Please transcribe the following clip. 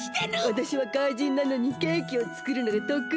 わたしは怪人なのにケーキをつくるのがとくい！